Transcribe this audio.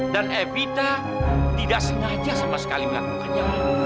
dan evita tidak sengaja sama sekali melakukannya